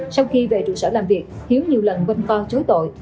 sau khi về trụ sở làm việc hiếu nhiều lần vân con chối tội